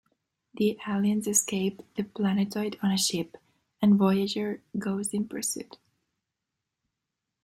The aliens escape the planetoid on a ship, and "Voyager" goes in pursuit.